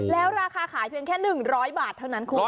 แล้วราคาขายเพียงแค่๑๐๐บาทเท่านั้นคุณ